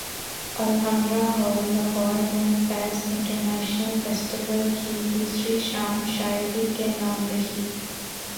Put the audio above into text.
Alhamra hall Lahore میں Faiz international festival کی دوسری شام شاعری کے نام رہی